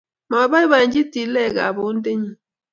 maboibochi tilekab bontenyi